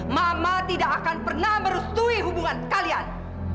mama tidak akan pernah merustui hubungan kalian